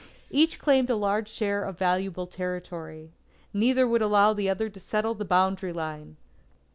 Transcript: Each claimed a large share of valuable territory. Neither would allow the other to settle the boundary line.